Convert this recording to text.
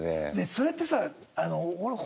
それってさ。